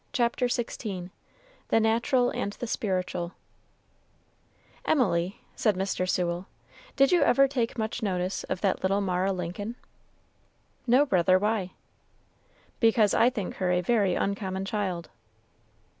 CHAPTER XVI THE NATURAL AND THE SPIRITUAL "Emily," said Mr. Sewell, "did you ever take much notice of that little Mara Lincoln?" "No, brother; why?" "Because I think her a very uncommon child."